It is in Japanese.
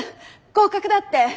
合格だって！